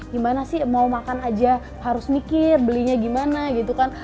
gimana sih mau makan aja harus mikir belinya gimana gitu kan